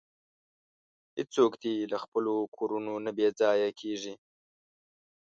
هیڅوک دې له خپلو کورونو نه بې ځایه کیږي.